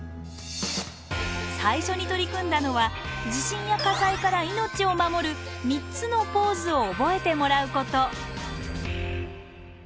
最初に取り組んだのは地震や火災から命を守る３つのポーズを覚えてもらうこと。